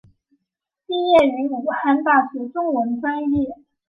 毕业于武汉大学中文专业。